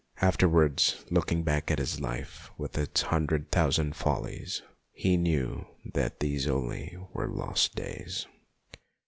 Afterwards, looking back at his life with its hundred thousand follies, he knew that these only were lost days.